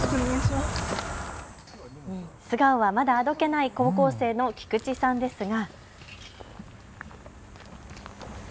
素顔はまだあどけない高校生の菊池さんですが。